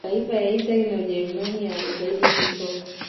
mataifa ya italia na ujerumani yanajitahidi kisoka